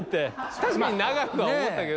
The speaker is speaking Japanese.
確かに長いとは思ったけど。